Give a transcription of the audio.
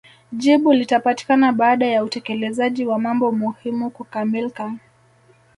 Jibu litapatikana baada ya utekelezaji wa mambo muhimu kukamilka